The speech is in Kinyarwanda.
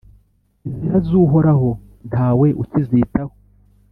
inzira z’Uhoraho nta we ukizitaho